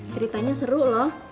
ceritanya seru loh